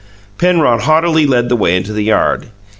Penrod haughtily led the way into the yard.